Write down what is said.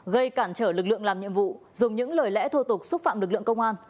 gây cản trở lực lượng làm nhiệm vụ dùng những lời lẽ thô tục xúc phạm lực lượng công an